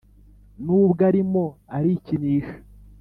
nubwo arimo arikinisha